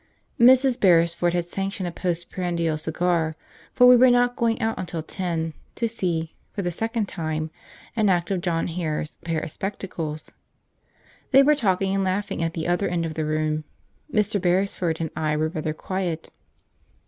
Mrs. Beresford had sanctioned a post prandial cigar, for we were not going out till ten, to see, for the second time, an act of John Hare's Pair of Spectacles. They were talking and laughing at the other end of the room; Mr. Beresford and I were rather quiet.